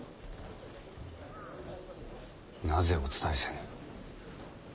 なぜお伝えせぬ？